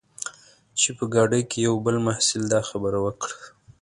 چې په ګاډۍ کې یوه بل محصل دا خبره وکړه.